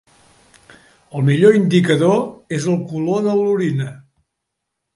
El millor indicador és el color de l'orina.